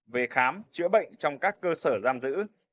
về khám chữa bệnh trong các cơ sở giam giữ